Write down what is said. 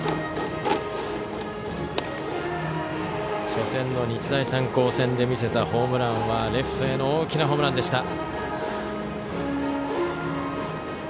初戦の日大三高戦で見せたホームランはレフトへの大きなホームランでした。